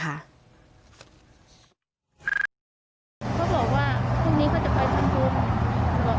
เขาบอกว่าพรุ่งนี้เขาจะไปทั้งทุ่ม